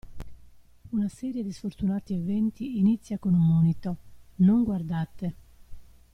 Una serie di sfortunati eventi inizia con un monito: non guardate!